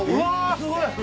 すごい！